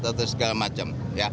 atau segala macam